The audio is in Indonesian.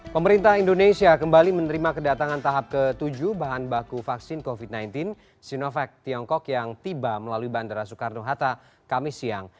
pemerintah indonesia kembali menerima kedatangan tahap ke tujuh bahan baku vaksin covid sembilan belas sinovac tiongkok yang tiba melalui bandara soekarno hatta kami siang